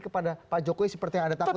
kepada pak jokowi seperti yang anda takutkan